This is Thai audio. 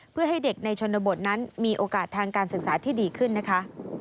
เพื่อให้เด็กในชนบทนั้นมีโอกาสทางการศึกษาที่ดีขึ้นนะคะ